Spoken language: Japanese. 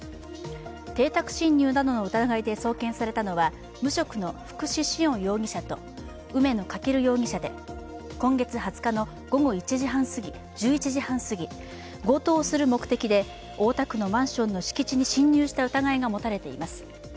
邸宅侵入などの疑いで送検されたのは無職の福士至恩容疑者と梅野風翔容疑者で今月２０日の午後１１時半すぎ強盗をする目的で大田区のマンションの敷地に侵入した疑いが持たれています。